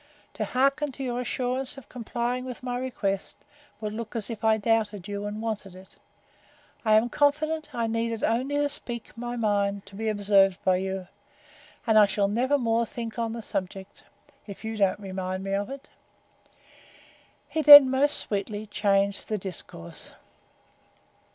To hearken to your assurance of complying with my request, would look as if I doubted you, and wanted it. I am confident I needed only to speak my mind, to be observed by you; and I shall never more think on the subject, if you don't remind me of it. He then most sweetly changed the discourse.